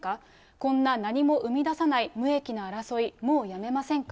こんな何も生み出さない無益な争い、もうやめませんか。